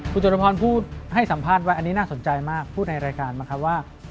คุณจตุพรพูดให้สัมภาษณ์ไว้อันนี้น่าสนใจมากพูดในรายการมาครับว่า